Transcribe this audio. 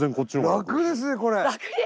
楽ですねこれ。